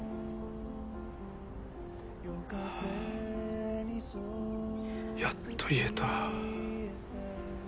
ああやっと言えた。